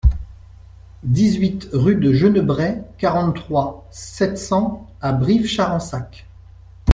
dix-huit rue de Genebret, quarante-trois, sept cents à Brives-Charensac